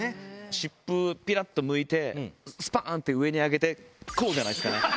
湿布ぴらっとむいてスパン！って上に上げてこうじゃないですかね？